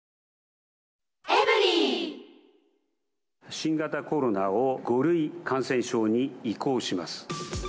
新型コロナを５類感染症に移行します。